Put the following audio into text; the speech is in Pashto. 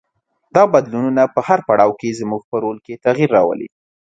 دا بدلونونه په هر پړاو کې زموږ په رول کې تغیر راولي.